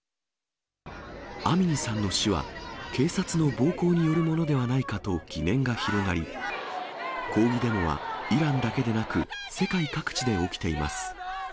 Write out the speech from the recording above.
アミニさんの死は、警察の暴行によるものではないかと疑念が広がり、抗議デモはイランだけでなく、世界各地で起きています。